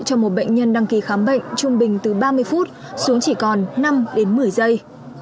cho một bệnh nhân đăng ký khám bệnh trung bình từ ba mươi phút xuống chỉ còn năm đến một mươi giây